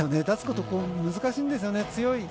出すこと難しいんですよね。